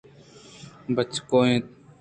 بچکّ اَنت